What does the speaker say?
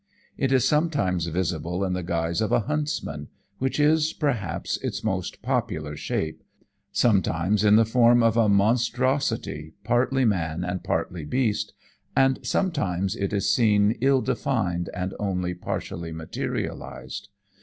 It is sometimes visible in the guise of a huntsman which is, perhaps, its most popular shape sometimes in the form of a monstrosity, partly man and partly beast and sometimes it is seen ill defined and only partially materialized.